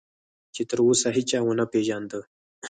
چې تراوسه هیچا ونه پېژانده.